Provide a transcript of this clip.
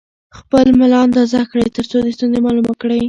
خپل ملا اندازه کړئ ترڅو د ستونزې معلومه کړئ.